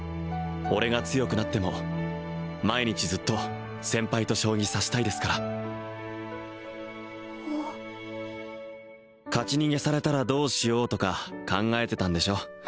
俺が強くなっても毎日ずっと先輩と将棋指したいですから勝ち逃げされたらどうしようとか考えてたんでしょう